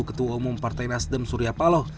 ketua umum partai nasdem surya paloh